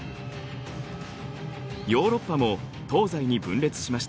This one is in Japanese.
ヨーロッパも東西に分裂しました。